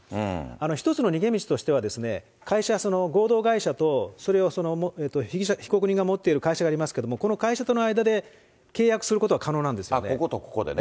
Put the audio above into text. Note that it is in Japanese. １つの逃げ道としては、会社はその合同会社と、それを被告人が持っている会社がありますけど、この会社との間で契約することは可こことここでね。